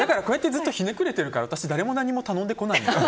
ずっとひねくれてるから私誰も何も頼んでこないよ。